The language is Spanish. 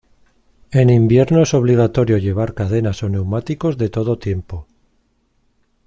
En invierno es obligatorio llevar cadenas o neumáticos de todo tiempo.